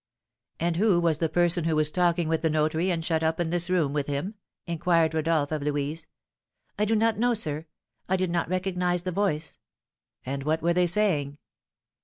"And who was the person who was talking with the notary and shut up in this room with him?" inquired Rodolph of Louise. "I do not know, sir; I did not recognise the voice." "And what were they saying?"